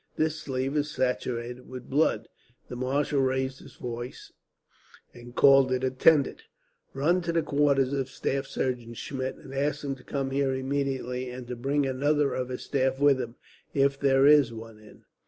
"This sleeve is saturated with blood." The marshal raised his voice, and called an attendant: "Run to the quarters of staff surgeon Schmidt, and ask him to come here immediately, and to bring another of his staff with him, if there is one in."